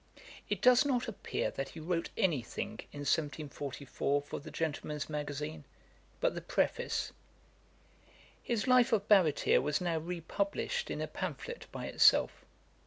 It does not appear that he wrote any thing in 1744 for the Gentleman's Magazine, but the Preface.[Dagger] His Life of Baretier was now re published in a pamphlet by itself.